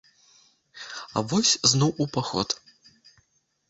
А вось зноў у паход.